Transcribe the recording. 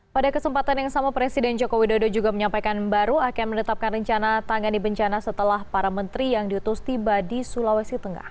pada kesempatan yang sama presiden joko widodo juga menyampaikan baru akan menetapkan rencana tangani bencana setelah para menteri yang diutus tiba di sulawesi tengah